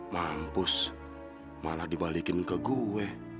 mampus malah dibalikin ke gue